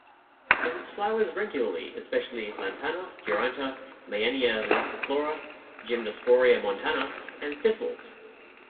Visits flowers regularly especially "Lantana", "Duranta", "Meyenia laxiflora", "Gymnosporia montana", and thistles.